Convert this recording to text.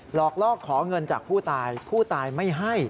หลอกลอกขอเงินจากผู้ตายผู้ตายไม่ให้